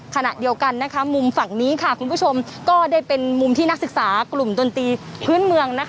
ขณะเดียวกันมุมฝั่งนี้คุณผู้ชมก็ได้เป็นมุมที่นักศึกษากลุ่มดนตรีพื้นเมือง